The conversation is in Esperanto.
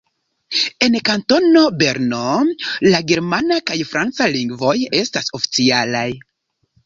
En Kantono Berno la germana kaj franca lingvoj estas oficialaj.